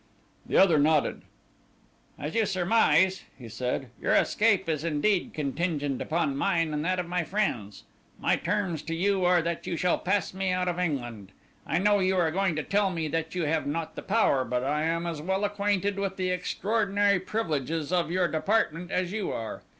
The other nodded. "As you surmise," he said, "your escape is indeed contingent upon mine and that of my friends. My terms to you are that you shall pass me out of England. I know you are going to tell me that you have not the power, but I am as well acquainted with the extraordinary privileges of your department as you are.